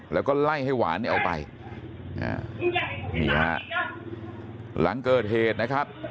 แล้วก็ไล่ให้หวานเนี่ยเอาไปนี่ฮะหลังเกิดเหตุนะครับ